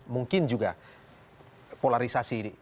mungkin juga polarisasi